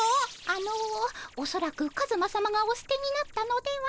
あのおそらくカズマさまがお捨てになったのでは。